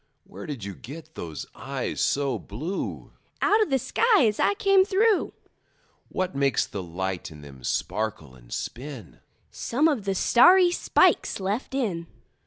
Where did you get those eyes so blue? Out of the sky as I came through. What makes the light in them sparkle and spin? Some of the starry spikes left in.